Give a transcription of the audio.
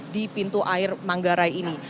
di pintu air manggarai ini